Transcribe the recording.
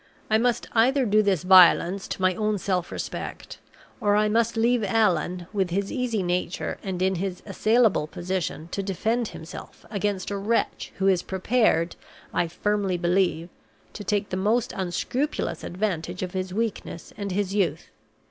I must either do this violence to my own self respect, or I must leave Allan, with his easy nature, and in his assailable position, to defend himself against a wretch who is prepared, I firmly believe, to take the most unscrupulous advantage of his weakness and his youth.